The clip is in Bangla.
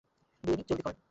গুয়েনি, জলদি কর।